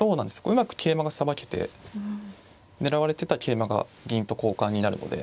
うまく桂馬がさばけて狙われてた桂馬が銀と交換になるので。